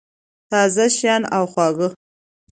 تازه شیان او خواږه